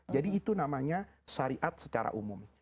jadi itu namanya syariat secara umum